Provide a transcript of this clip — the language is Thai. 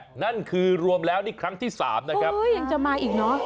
อย่างนั้นคือรวมแล้วครั้งที่สามยังมาอีกน๊อ